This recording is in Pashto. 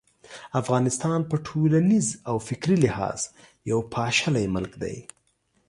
افغانستان په ټولنیز او فکري لحاظ یو پاشلی ملک دی.